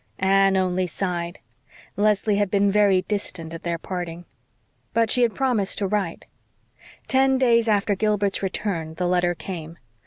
Anne only sighed. Leslie had been very distant at their parting. But she had promised to write. Ten days after Gilbert's return the letter came.